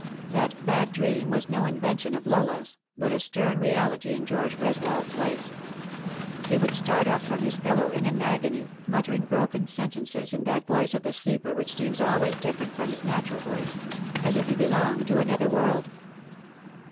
That bad dream was no invention of Lola's, but a stern reality in George Greswold's life. He would start up from his pillow in an agony, muttering broken sentences in that voice of the sleeper which seems always different from his natural voice as if he belonged to another world.